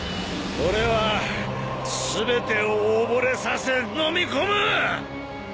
俺は全てを溺れさせのみ込む！